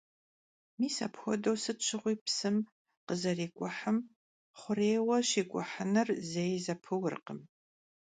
Mis apxuedeu sıt şığui psım khızerik'uhım xhurêyue şik'uhınır zei zepıurkhım.